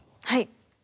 はい。